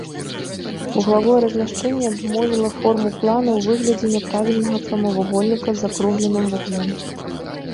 Вуглавое размяшчэнне абумовіла форму плана ў выглядзе няправільнага прамавугольніка з закругленым вуглом.